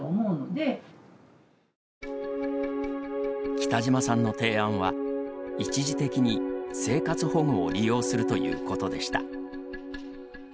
北島さんの提案は一時的に、生活保護を利用するということでした。